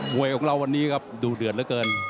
มวยของเรานี่ดูเดือนแหละเกิน